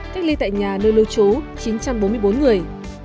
cách ly tại nhà nơi lưu trú chín trăm bốn mươi bốn người